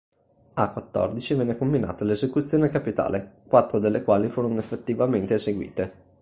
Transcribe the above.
A quattordici venne comminata l'esecuzione capitale, quattro delle quali furono effettivamente eseguite.